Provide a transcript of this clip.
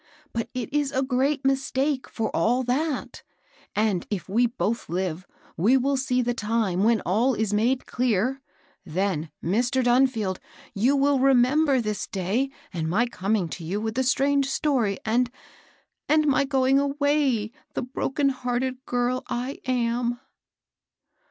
But it is a great mis take, for all that ; and, if we both live, we will see the time when all is made clear. Then, Mr. Dnnfield, you will remember this day, and my coming to you with the strange story, and — and my going away the broken bearted girl I am."